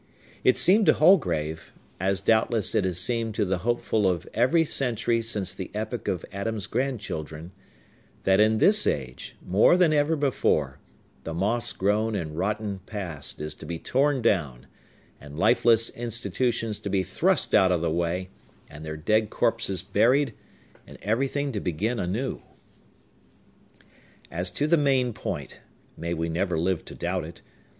It seemed to Holgrave,—as doubtless it has seemed to the hopeful of every century since the epoch of Adam's grandchildren,—that in this age, more than ever before, the moss grown and rotten Past is to be torn down, and lifeless institutions to be thrust out of the way, and their dead corpses buried, and everything to begin anew. As to the main point,—may we never live to doubt it!